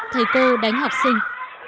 thầy cô đánh học sinh